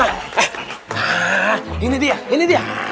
nah ini dia ini dia